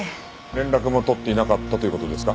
連絡も取っていなかったという事ですか？